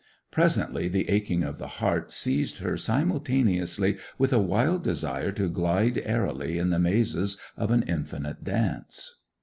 Presently the aching of the heart seized her simultaneously with a wild desire to glide airily in the mazes of an infinite dance.